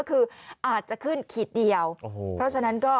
คือจะขึ้นขีดเดียวเพราะฉะนั้นก็